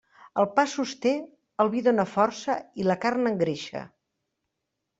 El pa sosté, el vi dóna força i la carn engreixa.